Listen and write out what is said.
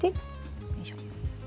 よいしょ。